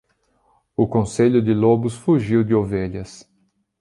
O conselho de lobos fugiu de ovelhas.